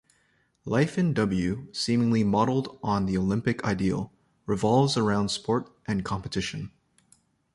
Life in W, seemingly modeled on the Olympic ideal, revolves around sport and competition.